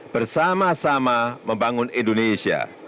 bersama sama membangun indonesia